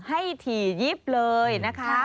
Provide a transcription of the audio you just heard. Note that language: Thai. ให้ถี่ยิบเลยนะครับ